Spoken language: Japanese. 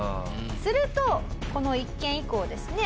するとこの一件以降ですね